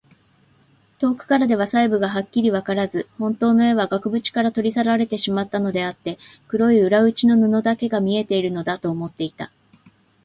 遠くからでは細部がはっきりわからず、ほんとうの絵は額ぶちから取り去られてしまったのであって、黒い裏打ちの布だけが見えているのだ、と思っていた。